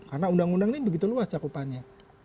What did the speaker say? karena undang undang ini begitu luas cakupannya